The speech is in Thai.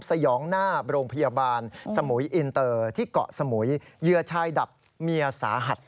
สยองหน้าโรงพยาบาลสมุยอินเตอร์ที่เกาะสมุยเหยื่อชายดับเมียสาหัส